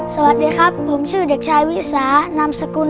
สวัสดีครับผมชื่อเด็กชายวิสานามสกุล